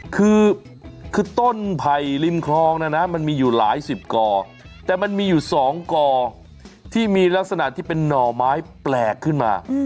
คือต้นไผ่ริมคลองนะนะมันมีอยู่หลายสิบก่อแต่มันมีอยู่๒ก่อที่มีลักษณะที่เป็นหน่อไม้แปลกขึ้นมา